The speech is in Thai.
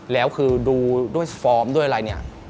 แล้วคือดูด้วยฟอร์มด้วยอะไรเนี่ย